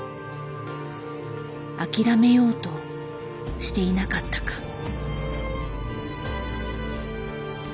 諦めようとしていなかったか。